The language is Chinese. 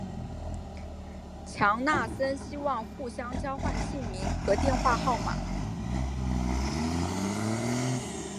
强纳森希望互相交换姓名和电话号码。